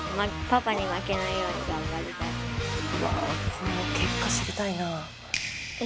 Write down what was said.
この結果知りたいな。